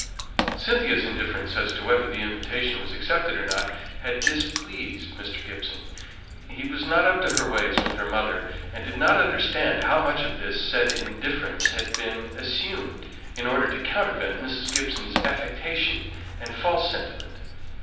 Cynthia's indifference as to whether the invitation was accepted or not had displeased Mr. Gibson. He was not up to her ways with her mother, and did not understand how much of this said indifference had been assumed in order to countervent Mrs. Gibson's affectation and false sentiment.